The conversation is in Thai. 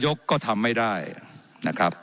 ว่าการกระทรวงบาทไทยนะครับ